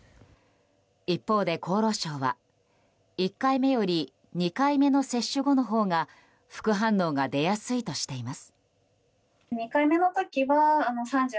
一方で厚労省は１回目より２回目の接種後のほうが副反応が出やすいとしています。